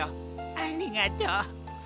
ありがとう。